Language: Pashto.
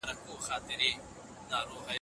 باید داسې نظام وي چي د ټولو خلګو ګټي خوندي کړي.